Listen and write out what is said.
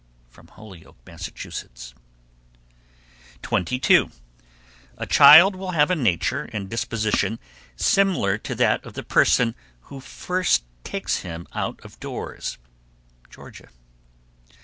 Holyoke, Mass. 22. A child will have a nature and disposition similar to that of the person who first takes him out of doors. _Georgia.